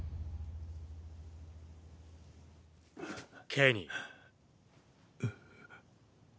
ケニー。